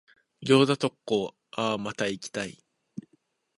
餃子特講、あぁ、また行きたい。